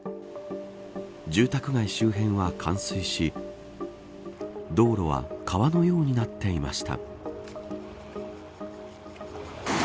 住宅街周辺は冠水し道路は川のようになっていました。